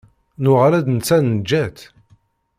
Nuɣal-d, netta neǧǧa-t.